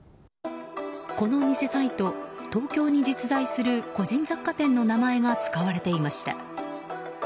この偽サイト東京に実在する個人雑貨店の名前が使われていました。